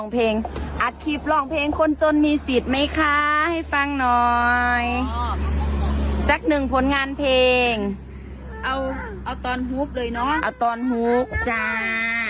สักหนึ่งผลงานเพลงเอาตอนฮูบเลยเนอะเอาตอนฮูบจ้า